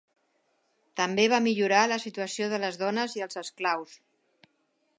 També va millorar la situació de les dones i els esclaus.